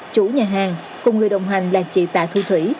chủ nhà hàng cùng người đồng hành là chị tạ thị thủy